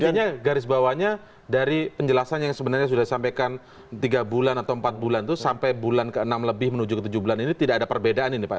artinya garis bawahnya dari penjelasan yang sebenarnya sudah disampaikan tiga bulan atau empat bulan itu sampai bulan ke enam lebih menuju ke tujuh bulan ini tidak ada perbedaan ini pak